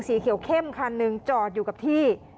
สีเขียวเข้มคันหนึ่งจอดอยู่กับที่